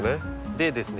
でですね